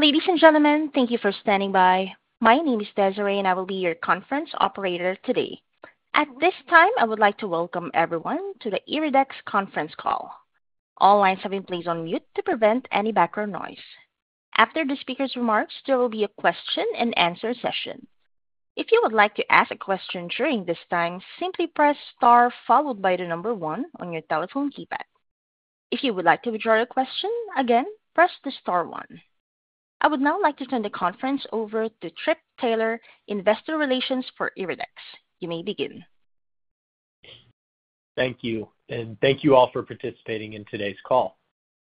Ladies and gentlemen, thank you for standing by. My name is Desiree, and I will be your conference operator today. At this time, I would like to welcome everyone to the IRIDEX conference call. All lines have been placed on mute to prevent any background noise. After the speaker's remarks, there will be a question-and-answer session. If you would like to ask a question during this time, simply press star followed by the number one on your telephone keypad. If you would like to withdraw your question again, press the star one. I would now like to turn the conference over to Trip Taylor, Investor Relations for IRIDEX. You may begin. Thank you, and thank you all for participating in today's call.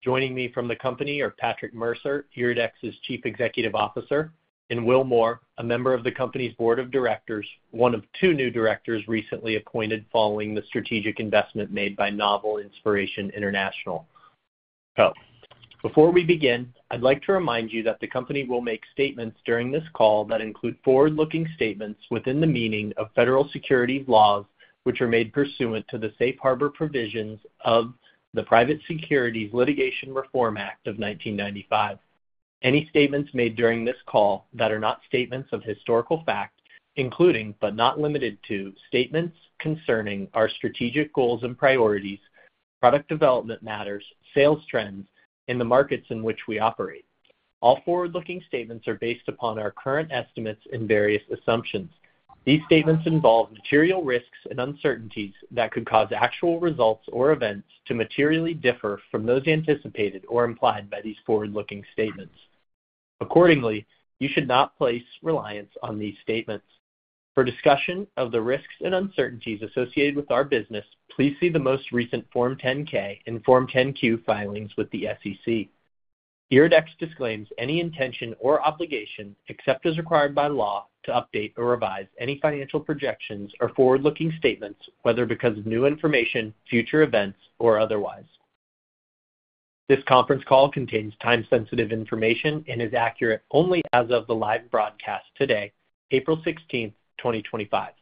Joining me from the company are Patrick Mercer, IRIDEX's Chief Executive Officer, and Will Moore, a member of the company's board of directors, one of two new directors recently appointed following the strategic investment made by Novel Inspiration International. Before we begin, I'd like to remind you that the company will make statements during this call that include forward-looking statements within the meaning of federal securities laws which are made pursuant to the safe harbor provisions of the Private Securities Litigation Reform Act of 1995. Any statements made during this call that are not statements of historical fact, including but not limited to statements concerning our strategic goals and priorities, product development matters, sales trends, and the markets in which we operate. All forward-looking statements are based upon our current estimates and various assumptions. These statements involve material risks and uncertainties that could cause actual results or events to materially differ from those anticipated or implied by these forward-looking statements. Accordingly, you should not place reliance on these statements. For discussion of the risks and uncertainties associated with our business, please see the most recent Form 10-K and Form 10-Q filings with the SEC. IRIDEX disclaims any intention or obligation, except as required by law, to update or revise any financial projections or forward-looking statements, whether because of new information, future events, or otherwise. This conference call contains time-sensitive information and is accurate only as of the live broadcast today, April 16th,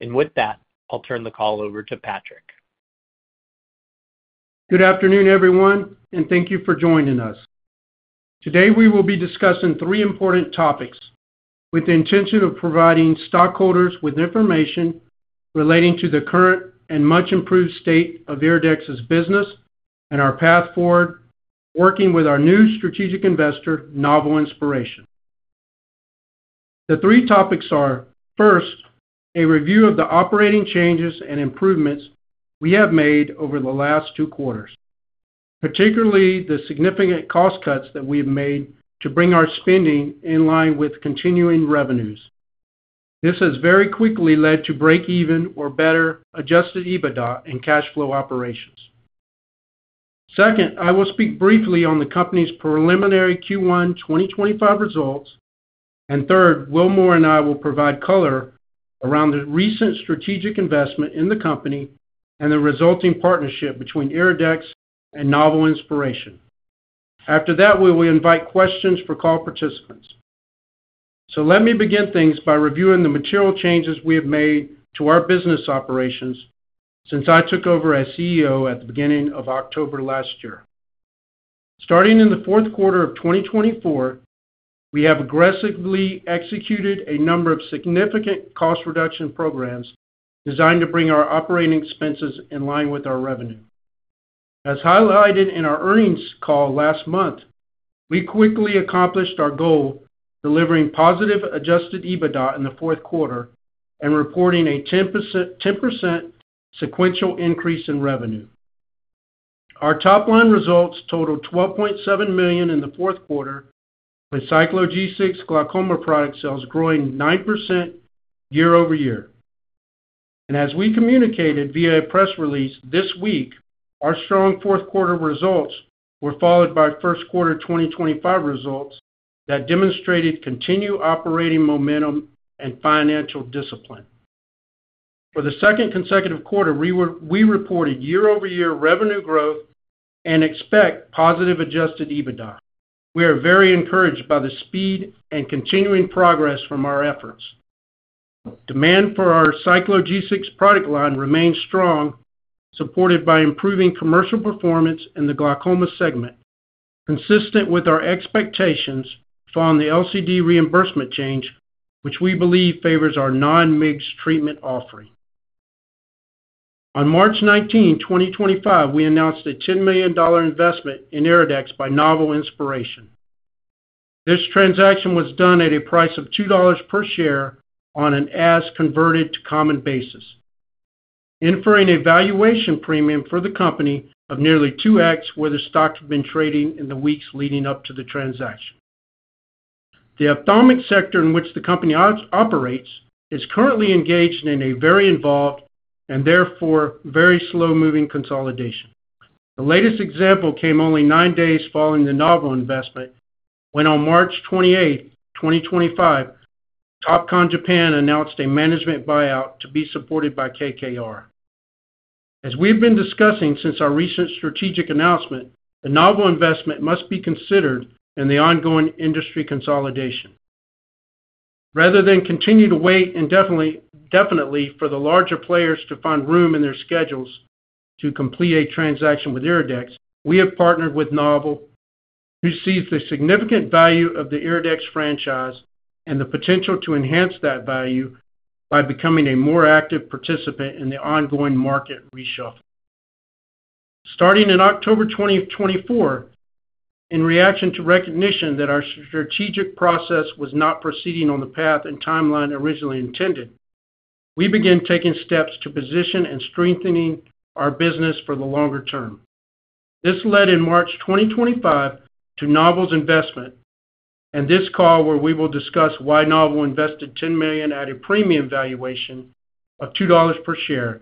2025. With that, I'll turn the call over to Patrick. Good afternoon, everyone, and thank you for joining us. Today, we will be discussing three important topics with the intention of providing stockholders with information relating to the current and much-improved state of IRIDEX's business and our path forward working with our new strategic investor, Novel Inspiration. The three topics are, first, a review of the operating changes and improvements we have made over the last two quarters, particularly the significant cost cuts that we have made to bring our spending in line with continuing revenues. This has very quickly led to break-even, or better, adjusted EBITDA and cash flow operations. Second, I will speak briefly on the company's preliminary Q1 2025 results. Third, Will Moore and I will provide color around the recent strategic investment in the company and the resulting partnership between IRIDEX and Novel Inspiration. After that, we will invite questions for call participants. Let me begin things by reviewing the material changes we have made to our business operations since I took over as CEO at the beginning of October last year. Starting in the fourth quarter of 2024, we have aggressively executed a number of significant cost reduction programs designed to bring our operating expenses in line with our revenue. As highlighted in our earnings call last month, we quickly accomplished our goal of delivering positive adjusted EBITDA in the fourth quarter and reporting a 10% sequential increase in revenue. Our top-line results totaled $12.7 million in the fourth quarter, with CycloG6 glaucoma product sales growing 9% year over year. As we communicated via a press release this week, our strong fourth-quarter results were followed by first-quarter 2025 results that demonstrated continued operating momentum and financial discipline. For the second consecutive quarter, we reported year-over-year revenue growth and expect positive adjusted EBITDA. We are very encouraged by the speed and continuing progress from our efforts. Demand for our CycloG6 product line remains strong, supported by improving commercial performance in the glaucoma segment, consistent with our expectations following the LCD reimbursement change, which we believe favors our non-MIGS treatment offering. On March 19, 2025, we announced a $10 million investment in IRIDEX by Novel Inspiration. This transaction was done at a price of $2 per share on an as-converted to common basis, inferring a valuation premium for the company of nearly 2x where the stock had been trading in the weeks leading up to the transaction. The ophthalmic sector in which the company operates is currently engaged in a very involved and therefore very slow-moving consolidation. The latest example came only nine days following the Novel investment when, on March 28, 2025, Topcon Japan announced a management buyout to be supported by KKR. As we've been discussing since our recent strategic announcement, the Novel investment must be considered in the ongoing industry consolidation. Rather than continue to wait indefinitely for the larger players to find room in their schedules to complete a transaction with IRIDEX, we have partnered with Novel, who sees the significant value of the IRIDEX franchise and the potential to enhance that value by becoming a more active participant in the ongoing market reshuffle. Starting in October 2024, in reaction to recognition that our strategic process was not proceeding on the path and timeline originally intended, we began taking steps to position and strengthen our business for the longer term. This led in March 2025 to Novel's investment and this call where we will discuss why Novel invested $10 million at a premium valuation of $2 per share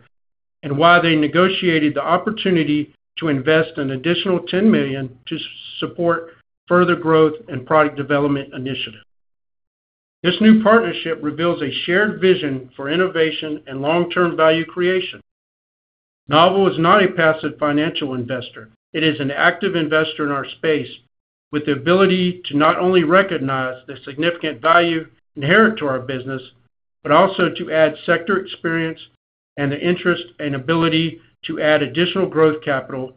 and why they negotiated the opportunity to invest an additional $10 million to support further growth and product development initiatives. This new partnership reveals a shared vision for innovation and long-term value creation. Novel is not a passive financial investor. It is an active investor in our space with the ability to not only recognize the significant value inherent to our business, but also to add sector experience and the interest and ability to add additional growth capital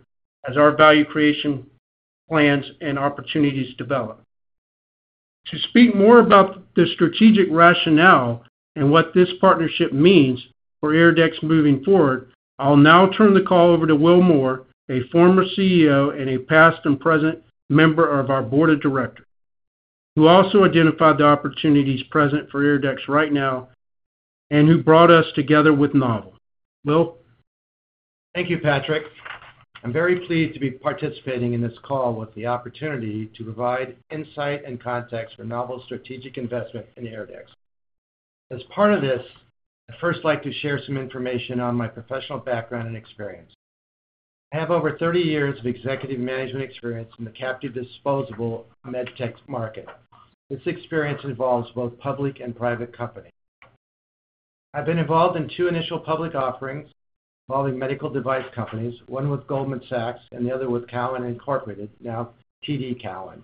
as our value creation plans and opportunities develop. To speak more about the strategic rationale and what this partnership means for IRIDEX moving forward, I'll now turn the call over to Will Moore, a former CEO and a past and present member of our board of directors, who also identified the opportunities present for IRIDEX right now and who brought us together with Novel. Will? Thank you, Patrick. I'm very pleased to be participating in this call with the opportunity to provide insight and context for Novel's strategic investment in IRIDEX. As part of this, I'd first like to share some information on my professional background and experience. I have over 30 years of executive management experience in the captive disposable med tech market. This experience involves both public and private companies. I've been involved in two initial public offerings involving medical device companies, one with Goldman Sachs and the other with Cowen Incorporated, now TD Cowen.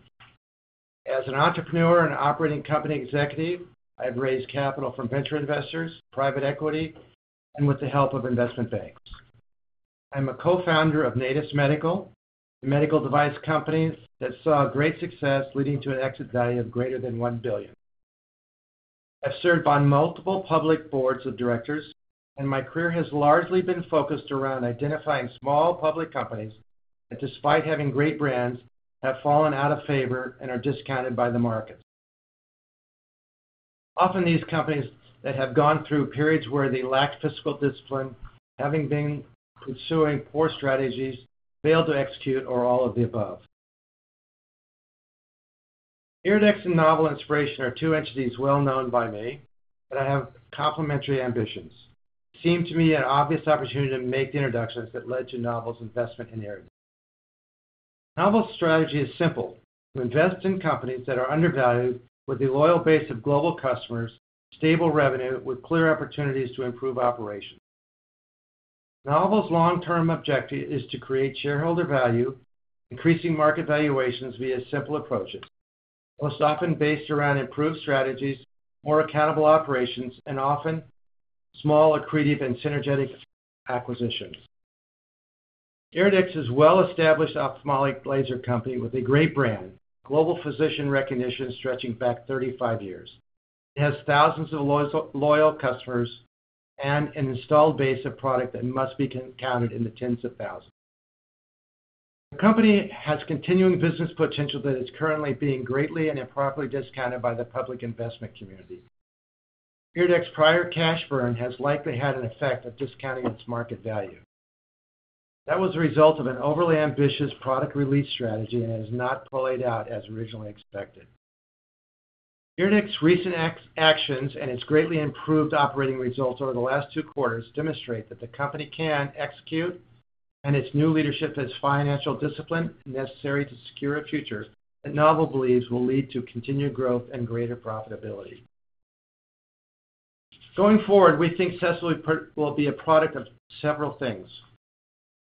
As an entrepreneur and operating company executive, I've raised capital from venture investors, private equity, and with the help of investment banks. I'm a co-founder of Natus Medical, a medical device company that saw great success leading to an exit value of greater than $1 billion. I've served on multiple public boards of directors, and my career has largely been focused around identifying small public companies that, despite having great brands, have fallen out of favor and are discounted by the market. Often, these companies have gone through periods where they lacked fiscal discipline, having been pursuing poor strategies, failed to execute, or all of the above. IRIDEX and Novel Inspiration are two entities well known by me, but I have complementary ambitions. It seemed to me an obvious opportunity to make the introductions that led to Novel's investment in IRIDEX. Novel's strategy is simple: to invest in companies that are undervalued with a loyal base of global customers, stable revenue, with clear opportunities to improve operations. Novel's long-term objective is to create shareholder value, increasing market valuations via simple approaches, most often based around improved strategies, more accountable operations, and often small accretive and synergetic acquisitions. IRIDEX is a well-established ophthalmic laser company with a great brand, global physician recognition stretching back 35 years. It has thousands of loyal customers and an installed base of product that must be counted in the tens of thousands. The company has continuing business potential that is currently being greatly and improperly discounted by the public investment community. IRIDEX's prior cash burn has likely had an effect of discounting its market value. That was a result of an overly ambitious product release strategy and has not played out as originally expected. IRIDEX's recent actions and its greatly improved operating results over the last two quarters demonstrate that the company can execute, and its new leadership has financial discipline necessary to secure a future that Novel believes will lead to continued growth and greater profitability. Going forward, we think Cecil will be a product of several things.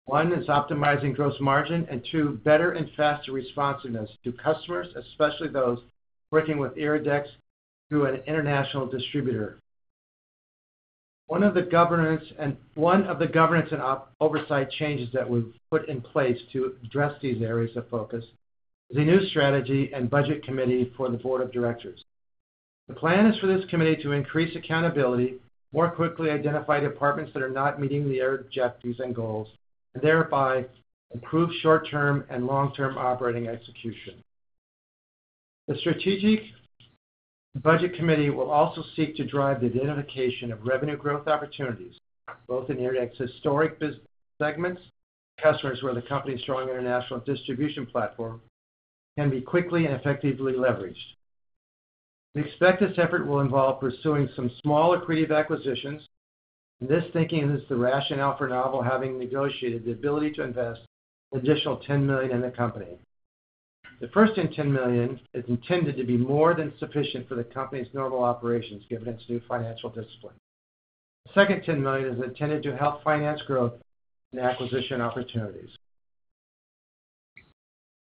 One is optimizing gross margin and, two, better and faster responsiveness to customers, especially those working with IRIDEX through an international distributor. One of the governance and oversight changes that we've put in place to address these areas of focus is a new strategy and budget committee for the board of directors. The plan is for this committee to increase accountability, more quickly identify departments that are not meeting the objectives and goals, and thereby improve short-term and long-term operating execution. The strategic budget committee will also seek to drive the identification of revenue growth opportunities, both in IRIDEX's historic segments and customers where the company's strong international distribution platform can be quickly and effectively leveraged. We expect this effort will involve pursuing some small accretive acquisitions. This thinking is the rationale for Novel having negotiated the ability to invest an additional $10 million in the company. The first $10 million is intended to be more than sufficient for the company's normal operations, given its new financial discipline. The second $10 million is intended to help finance growth and acquisition opportunities.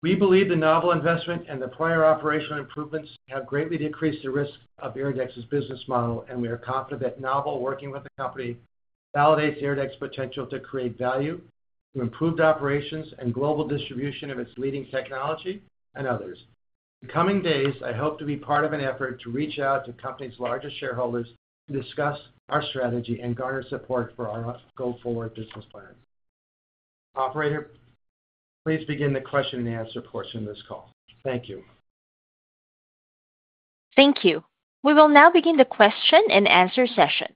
We believe the Novel investment and the prior operational improvements have greatly decreased the risk of IRIDEX's business model, and we are confident that Novel working with the company validates IRIDEX's potential to create value, improved operations, and global distribution of its leading technology and others. In coming days, I hope to be part of an effort to reach out to the company's largest shareholders to discuss our strategy and garner support for our go forward business plan. Operator, please begin the question and answer portion of this call. Thank you. Thank you. We will now begin the question-and-answer session.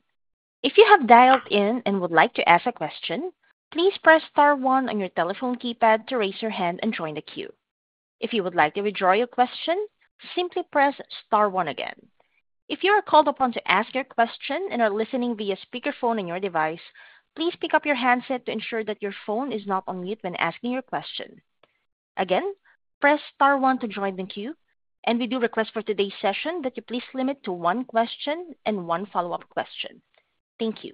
If you have dialed in and would like to ask a question, please press Star 1 on your telephone keypad to raise your hand and join the queue. If you would like to withdraw your question, simply press Star one again. If you are called upon to ask your question and are listening via speakerphone on your device, please pick up your handset to ensure that your phone is not on mute when asking your question. Again, press Star one to join the queue. We do request for today's session that you please limit to one question and one follow-up question. Thank you.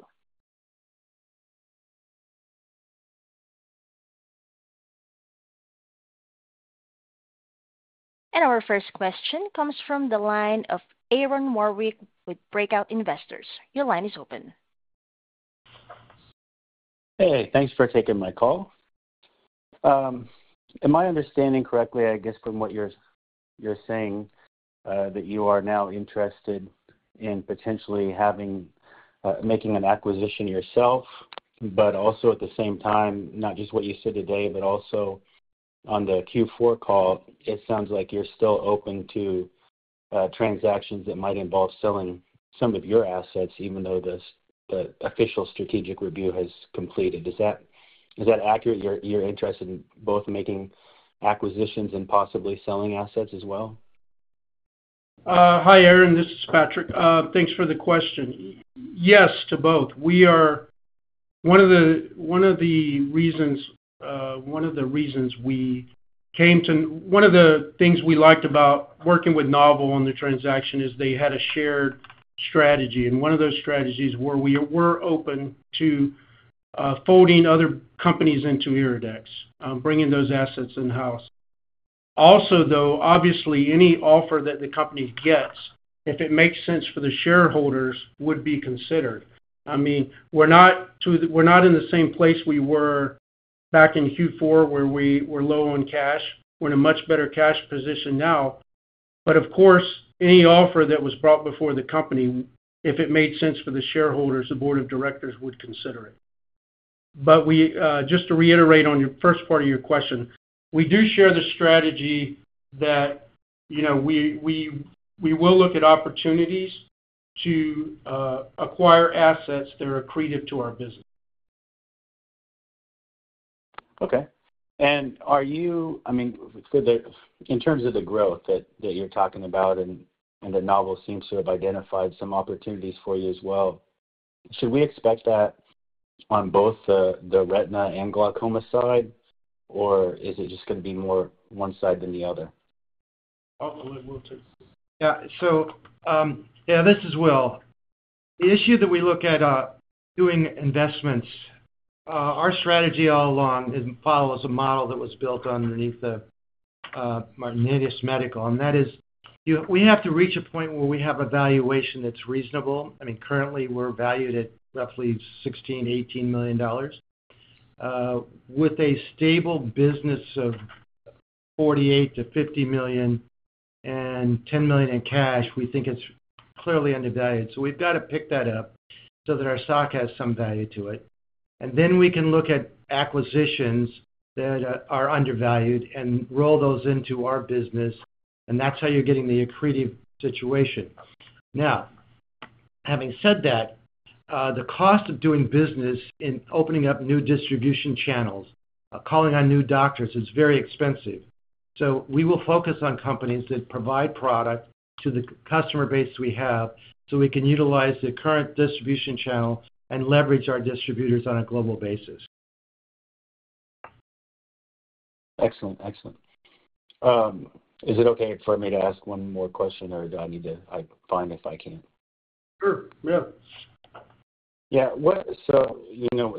Our first question comes from the line of Aaron Warwick with Breakout Investors. Your line is open. Hey, thanks for taking my call. Am I understanding correctly, I guess from what you're saying, that you are now interested in potentially making an acquisition yourself, but also at the same time, not just what you said today, but also on the Q4 call, it sounds like you're still open to transactions that might involve selling some of your assets, even though the official strategic review has completed. Is that accurate? You're interested in both making acquisitions and possibly selling assets as well? Hi, Aaron. This is Patrick. Thanks for the question. Yes to both. One of the reasons we came to one of the things we liked about working with Novel on the transaction is they had a shared strategy. One of those strategies where we were open to folding other companies into IRIDEX, bringing those assets in-house. Also, obviously, any offer that the company gets, if it makes sense for the shareholders, would be considered. I mean, we're not in the same place we were back in Q4 where we were low on cash. We're in a much better cash position now. Of course, any offer that was brought before the company, if it made sense for the shareholders, the board of directors would consider it. Just to reiterate on the first part of your question, we do share the strategy that we will look at opportunities to acquire assets that are accretive to our business. Okay. Are you, I mean, in terms of the growth that you're talking about and that Novel seems to have identified some opportunities for you as well, should we expect that on both the retina and glaucoma side, or is it just going to be more one side than the other? Hopefully, we'll see. Yeah. So yeah, this is Will. The issue that we look at doing investments, our strategy all along follows a model that was built underneath Natus Medical. That is we have to reach a point where we have a valuation that's reasonable. I mean, currently, we're valued at roughly $16 million-$18 million. With a stable business of $48 million-$50 million and $10 million in cash, we think it's clearly undervalued. We've got to pick that up so that our stock has some value to it. Then we can look at acquisitions that are undervalued and roll those into our business. That's how you're getting the accretive situation. Now, having said that, the cost of doing business in opening up new distribution channels, calling on new doctors, is very expensive. We will focus on companies that provide product to the customer base we have so we can utilize the current distribution channel and leverage our distributors on a global basis. Excellent. Excellent. Is it okay for me to ask one more question, or do I need to find if I can't? Sure. Yeah. Yeah.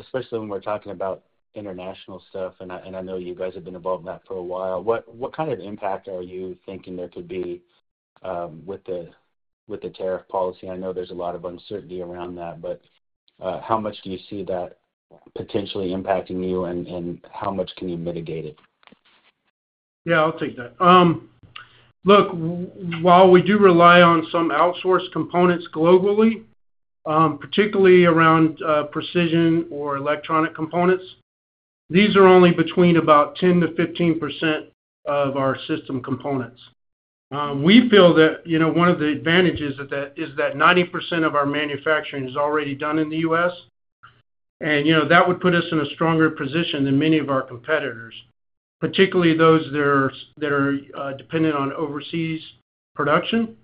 Especially when we're talking about international stuff, and I know you guys have been involved in that for a while, what kind of impact are you thinking there could be with the tariff policy? I know there's a lot of uncertainty around that, but how much do you see that potentially impacting you, and how much can you mitigate it? Yeah, I'll take that. Look, while we do rely on some outsourced components globally, particularly around precision or electronic components, these are only between about 10%-15% of our system components. We feel that one of the advantages is that 90% of our manufacturing is already done in the US. That would put us in a stronger position than many of our competitors, particularly those that are dependent on overseas production.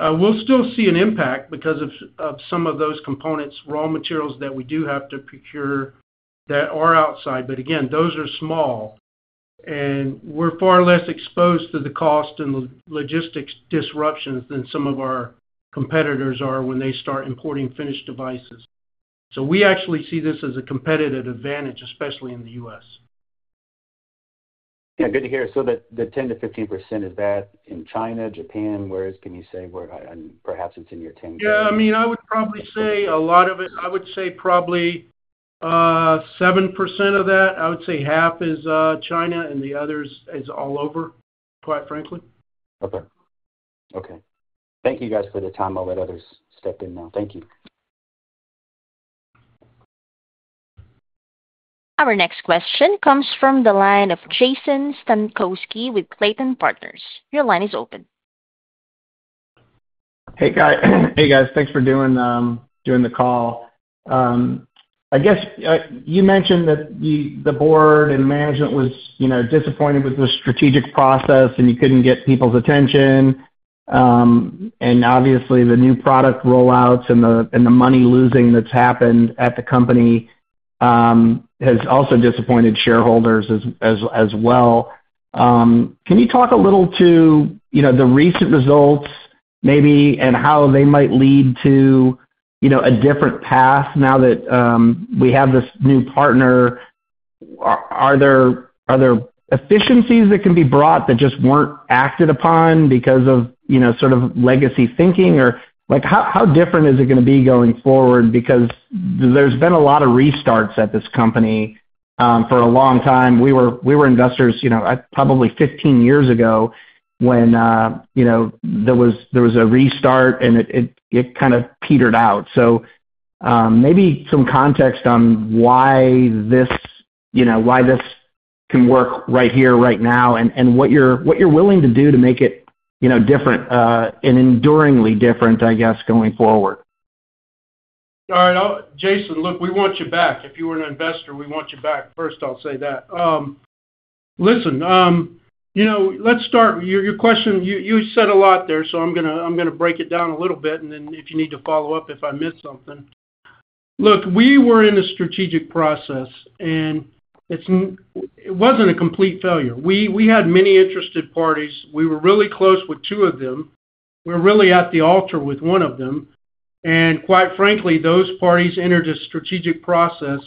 We'll still see an impact because of some of those components, raw materials that we do have to procure that are outside. Again, those are small, and we're far less exposed to the cost and the logistics disruptions than some of our competitors are when they start importing finished devices. We actually see this as a competitive advantage, especially in the US. Good to hear. The 10%-15%, is that in China, Japan? Whereas can you say where and perhaps it's in your 10? Yeah. I mean, I would probably say a lot of it. I would say probably 7% of that. I would say half is China, and the others is all over, quite frankly. Okay. Okay. Thank you, guys, for the time. I'll let others step in now. Thank you. Our next question comes from the line of Jason Stankowski with Clayton Partners. Your line is open. Hey, guys. Thanks for doing the call. I guess you mentioned that the board and management was disappointed with the strategic process, and you could not get people's attention. Obviously, the new product rollouts and the money losing that has happened at the company has also disappointed shareholders as well. Can you talk a little to the recent results, maybe, and how they might lead to a different path now that we have this new partner? Are there efficiencies that can be brought that just were not acted upon because of sort of legacy thinking? How different is it going to be going forward? There has been a lot of restarts at this company for a long time. We were investors probably 15 years ago when there was a restart, and it kind of petered out. Maybe some context on why this can work right here, right now, and what you're willing to do to make it different and enduringly different, I guess, going forward. All right. Jason, look, we want you back. If you were an investor, we want you back. First, I'll say that. Listen, let's start. Your question, you said a lot there, so I'm going to break it down a little bit, and then if you need to follow up if I missed something. Look, we were in a strategic process, and it wasn't a complete failure. We had many interested parties. We were really close with two of them. We were really at the altar with one of them. Quite frankly, those parties entered a strategic process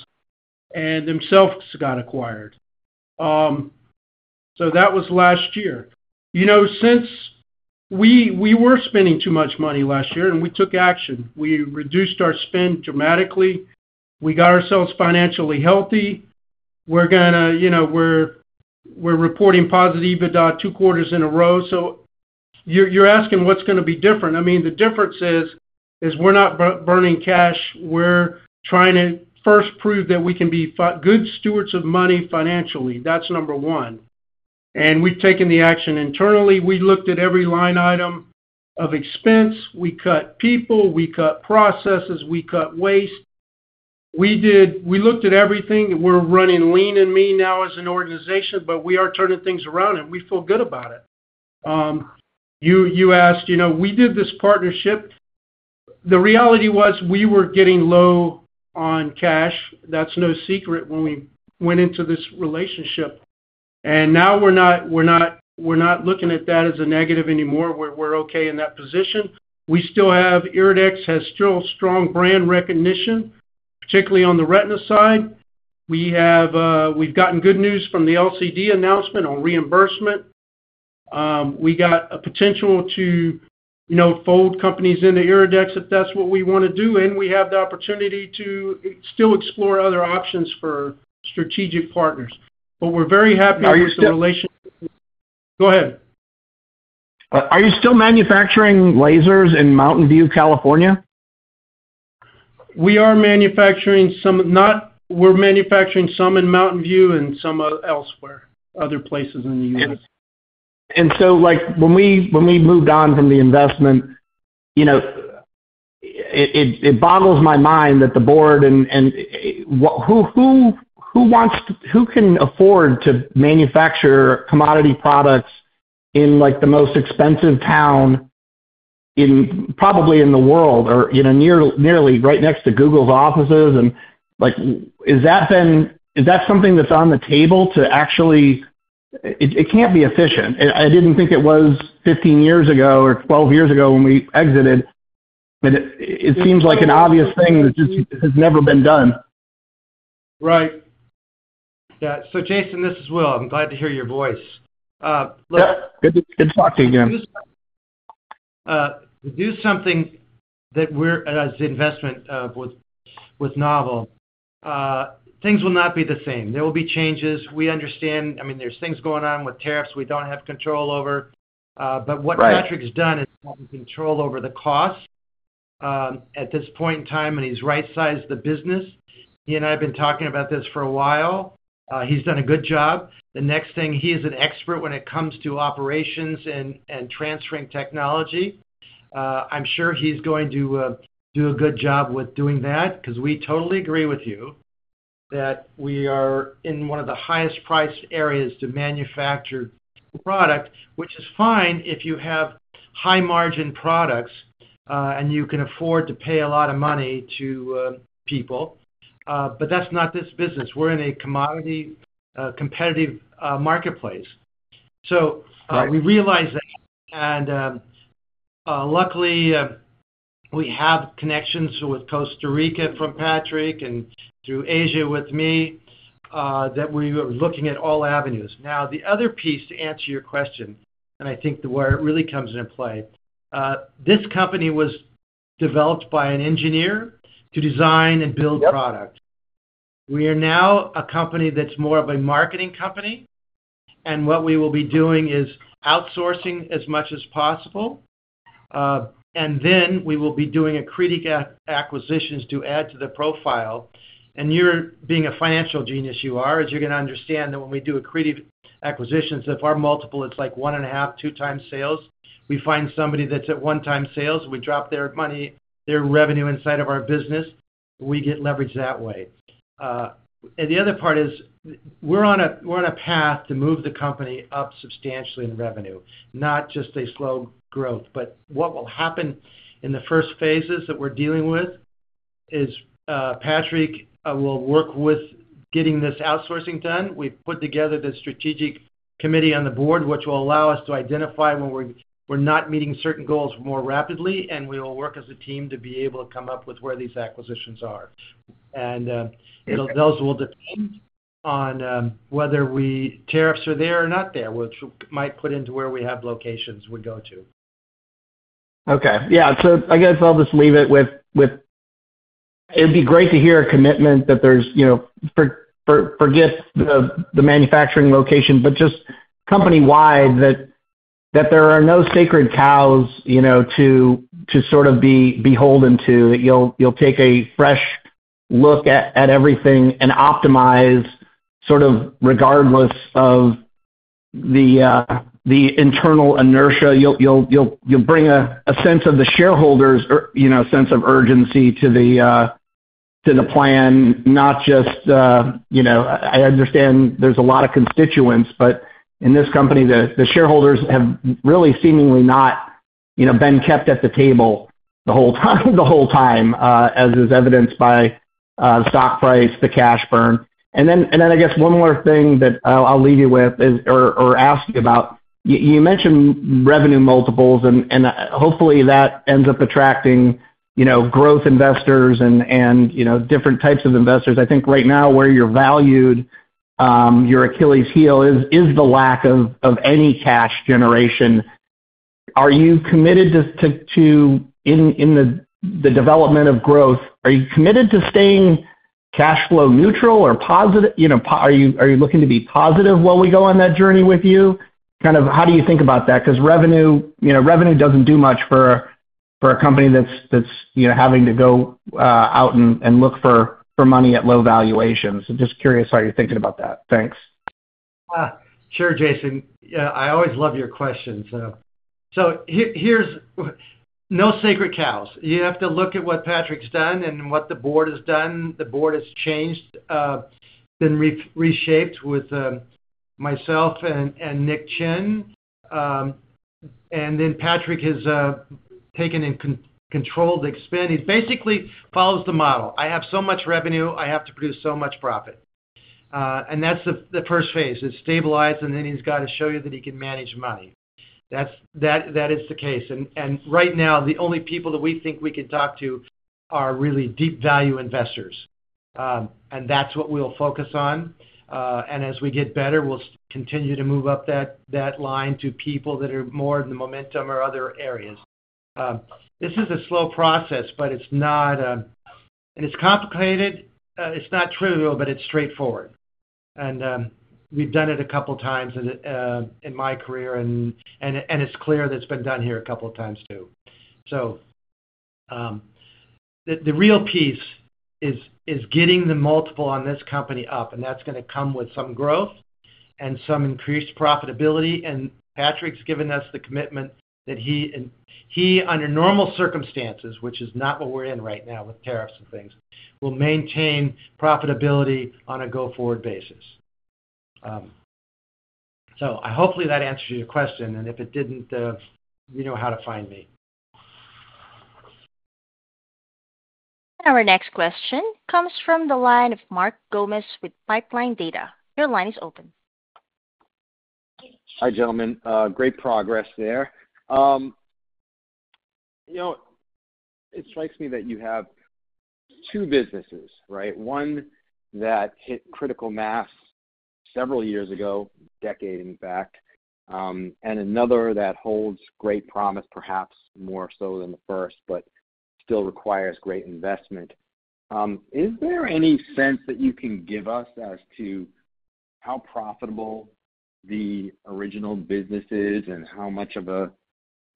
and themselves got acquired. That was last year. Since we were spending too much money last year, we took action. We reduced our spend dramatically. We got ourselves financially healthy. We're reporting positive about two quarters in a row. You're asking what's going to be different? I mean, the difference is we're not burning cash. We're trying to first prove that we can be good stewards of money financially. That's number one. We've taken the action internally. We looked at every line item of expense. We cut people. We cut processes. We cut waste. We looked at everything. We're running lean and mean now as an organization, but we are turning things around, and we feel good about it. You asked, we did this partnership. The reality was we were getting low on cash. That's no secret when we went into this relationship. Now we're not looking at that as a negative anymore. We're okay in that position. We still have IRIDEX has still strong brand recognition, particularly on the retina side. We've gotten good news from the LCD announcement on reimbursement. We got a potential to fold companies into IRIDEX if that's what we want to do. We have the opportunity to still explore other options for strategic partners. We are very happy with the relationship. Are you still? Go ahead. Are you still manufacturing lasers in Mountain View, California? We are manufacturing some. We're manufacturing some in Mountain View and some elsewhere, other places in the U.S. When we moved on from the investment, it boggles my mind that the board and who can afford to manufacture commodity products in the most expensive town probably in the world or nearly right next to Google's offices? Is that something that's on the table to actually it can't be efficient. I didn't think it was 15 years ago or 12 years ago when we exited, but it seems like an obvious thing that just has never been done. Right. Yeah. Jason, this is Will. I'm glad to hear your voice. Good to talk to you again. To do something that we're as investment with Novel, things will not be the same. There will be changes. We understand. I mean, there's things going on with tariffs we don't have control over. What Patrick's done is control over the cost at this point in time, and he's right-sized the business. He and I have been talking about this for a while. He's done a good job. The next thing, he is an expert when it comes to operations and transferring technology. I'm sure he's going to do a good job with doing that because we totally agree with you that we are in one of the highest-priced areas to manufacture product, which is fine if you have high-margin products and you can afford to pay a lot of money to people. That's not this business. We're in a commodity competitive marketplace. We realize that. Luckily, we have connections with Costa Rica from Patrick and through Asia with me that we are looking at all avenues. The other piece to answer your question, and I think where it really comes into play, this company was developed by an engineer to design and build product. We are now a company that's more of a marketing company. What we will be doing is outsourcing as much as possible. We will be doing accretive acquisitions to add to the profile. You're being a financial genius you are, as you're going to understand that when we do accretive acquisitions, if our multiple, it's like one and a half, two-time sales, we find somebody that's at one-time sales, we drop their money, their revenue inside of our business, we get leveraged that way. The other part is we're on a path to move the company up substantially in revenue, not just a slow growth. What will happen in the first phases that we're dealing with is Patrick will work with getting this outsourcing done. We've put together the strategic committee on the board, which will allow us to identify when we're not meeting certain goals more rapidly, and we will work as a team to be able to come up with where these acquisitions are. Those will depend on whether tariffs are there or not there, which might put into where we have locations we go to. Okay. Yeah. I guess I'll just leave it with it'd be great to hear a commitment that there's, forget the manufacturing location, but just company-wide, that there are no sacred cows to sort of be beholden to. You'll take a fresh look at everything and optimize sort of regardless of the internal inertia. You'll bring a sense of the shareholders or a sense of urgency to the plan, not just, I understand there's a lot of constituents, but in this company, the shareholders have really seemingly not been kept at the table the whole time, as is evidenced by stock price, the cash burn. I guess one more thing that I'll leave you with or ask you about. You mentioned revenue multiples, and hopefully that ends up attracting growth investors and different types of investors. I think right now where you're valued, your Achilles heel is the lack of any cash generation. Are you committed to in the development of growth, are you committed to staying cash flow neutral or positive? Are you looking to be positive while we go on that journey with you? Kind of how do you think about that? Because revenue doesn't do much for a company that's having to go out and look for money at low valuations. I'm just curious how you're thinking about that. Thanks. Sure, Jason. Yeah. I always love your questions. No sacred cows. You have to look at what Patrick's done and what the board has done. The board has changed, been reshaped with myself and Nick Chin. Patrick has taken and controlled the expand. He basically follows the model. I have so much revenue, I have to produce so much profit. That's the first phase. It's stabilized, and then he's got to show you that he can manage money. That is the case. Right now, the only people that we think we can talk to are really deep value investors. That's what we'll focus on. As we get better, we'll continue to move up that line to people that are more in the momentum or other areas. This is a slow process, but it's not and it's complicated. It's not trivial, but it's straightforward. We've done it a couple of times in my career, and it's clear that it's been done here a couple of times too. The real piece is getting the multiple on this company up, and that's going to come with some growth and some increased profitability. Patrick's given us the commitment that he, under normal circumstances, which is not what we're in right now with tariffs and things, will maintain profitability on a go-forward basis. Hopefully that answers your question. If it didn't, you know how to find me. Our next question comes from the line of Mark Gomez with Pipeline Data. Your line is open. Hi, gentlemen. Great progress there. It strikes me that you have two businesses, right? One that hit critical mass several years ago, decade in fact, and another that holds great promise, perhaps more so than the first, but still requires great investment. Is there any sense that you can give us as to how profitable the original business is and how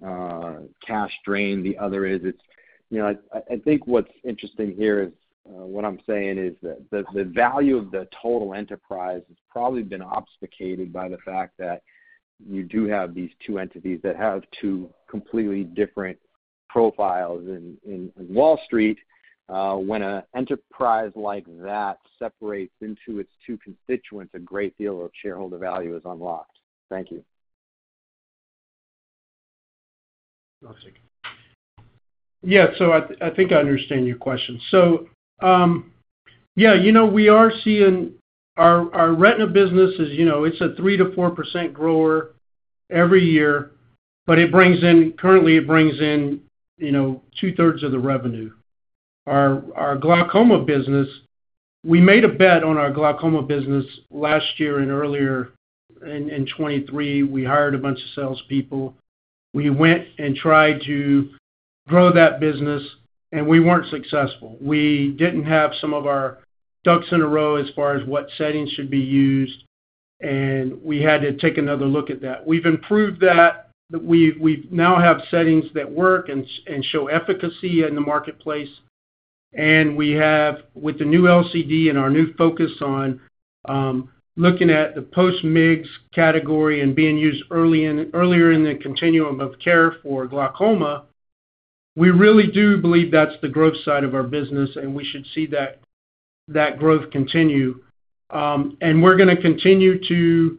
much of a cash drain the other is? I think what's interesting here is what I'm saying is that the value of the total enterprise has probably been obfuscated by the fact that you do have these two entities that have two completely different profiles. Wall Street, when an enterprise like that separates into its two constituents, a great deal of shareholder value is unlocked. Thank you. Yeah. I think I understand your question. Yeah, we are seeing our retina business is, it's a 3%-4% grower every year, but currently it brings in two-thirds of the revenue. Our glaucoma business, we made a bet on our glaucoma business last year and earlier in 2023. We hired a bunch of salespeople. We went and tried to grow that business, and we were not successful. We did not have some of our ducks in a row as far as what settings should be used, and we had to take another look at that. We have improved that. We now have settings that work and show efficacy in the marketplace. With the new LCD and our new focus on looking at the post-MIGS category and being used earlier in the continuum of care for glaucoma, we really do believe that's the growth side of our business, and we should see that growth continue. We are going to continue to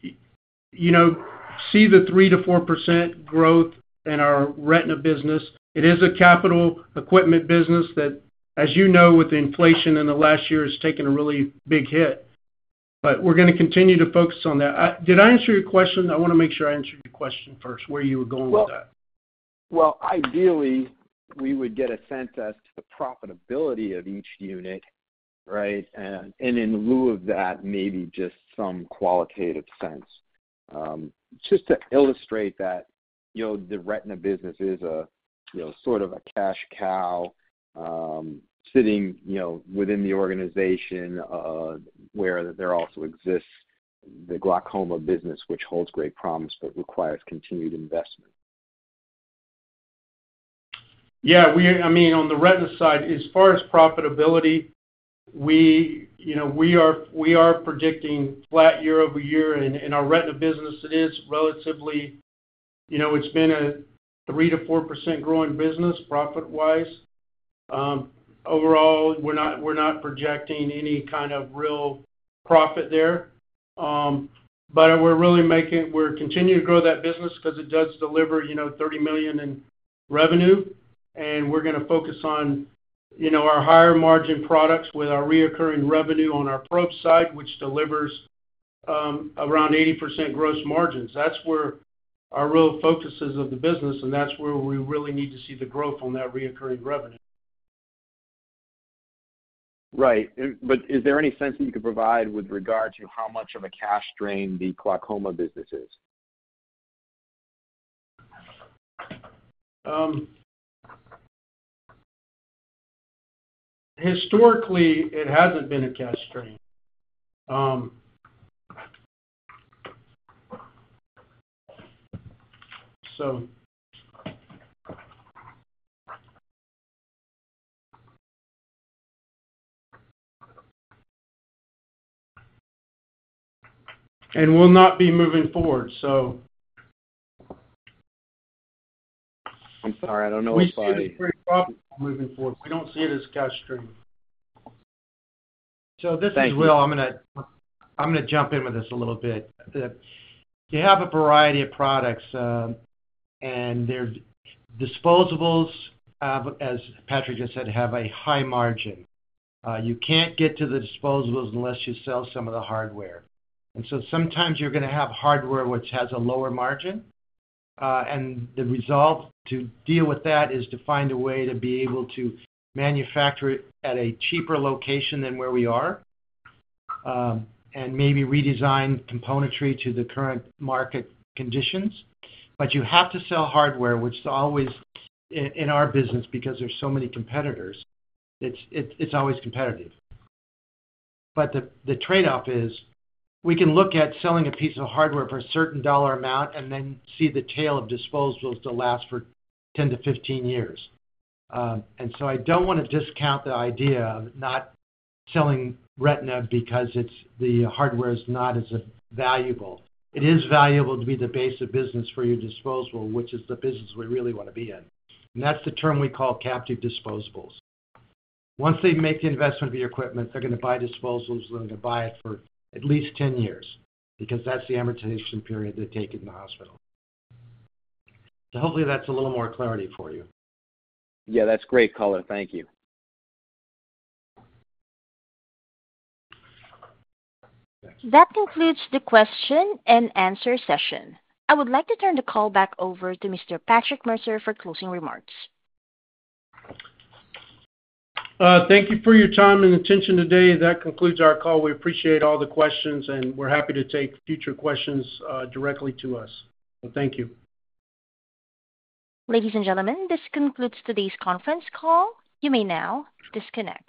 see the 3%-4% growth in our retina business. It is a capital equipment business that, as you know, with inflation in the last year, has taken a really big hit. We are going to continue to focus on that. Did I answer your question? I want to make sure I answered your question first, where you were going with that. Ideally, we would get a sense as to the profitability of each unit, right? And in lieu of that, maybe just some qualitative sense. Just to illustrate that the retina business is sort of a cash cow sitting within the organization where there also exists the glaucoma business, which holds great promise but requires continued investment. Yeah. I mean, on the retina side, as far as profitability, we are predicting flat year over year. In our retina business, it is relatively, it's been a 3%-4% growing business profit-wise. Overall, we're not projecting any kind of real profit there. We are continuing to grow that business because it does deliver $30 million in revenue. We're going to focus on our higher margin products with our recurring revenue on our probe side, which delivers around 80% gross margins. That's where our real focus is of the business, and that's where we really need to see the growth on that recurring revenue. Right. Is there any sense that you could provide with regard to how much of a cash drain the glaucoma business is? Historically, it hasn't been a cash drain. We will not be moving forward. I'm sorry. I don't know what's behind me. We see it as great profit moving forward. We don't see it as a cash drain. This is Will. I'm going to jump in with this a little bit. You have a variety of products, and their disposables, as Patrick just said, have a high margin. You can't get to the disposables unless you sell some of the hardware. Sometimes you're going to have hardware which has a lower margin. The resolve to deal with that is to find a way to be able to manufacture it at a cheaper location than where we are and maybe redesign componentry to the current market conditions. You have to sell hardware, which is always in our business because there's so many competitors. It's always competitive. The trade-off is we can look at selling a piece of hardware for a certain dollar amount and then see the tail of disposables to last for 10-15 years. I do not want to discount the idea of not selling retina because the hardware is not as valuable. It is valuable to be the base of business for your disposable, which is the business we really want to be in. That is the term we call captive disposables. Once they make the investment of your equipment, they are going to buy disposables, and they are going to buy it for at least 10 years because that is the amortization period they take in the hospital. Hopefully that is a little more clarity for you. Yeah. That's great, Colin. Thank you. That concludes the question-and-answer session. I would like to turn the call back over to Mr. Patrick Mercer for closing remarks. Thank you for your time and attention today. That concludes our call. We appreciate all the questions, and we're happy to take future questions directly to us. Thank you. Ladies and gentlemen, this concludes today's conference call. You may now disconnect.